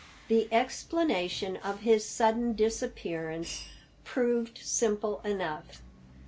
The explanation of his sudden disappearance proved simple enough.